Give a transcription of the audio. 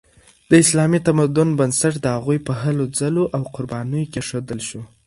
د اسلامي تمدن بنسټ د هغوی په هلو ځلو او قربانیو کیښودل شو.